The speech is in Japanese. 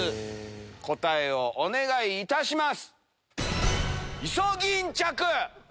答えをお願いいたします。